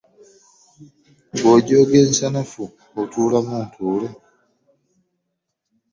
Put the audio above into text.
Bw'ojooga ensanafu ate otuulamu ntuule?